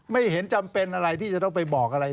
ไม่เห็นจำเป็นอะไรที่จะต้องไปบอกอะไร